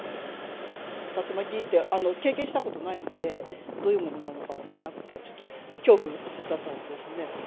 竜巻って経験したことないので、どういうものなのか分からなくて、ちょっと恐怖だったですね。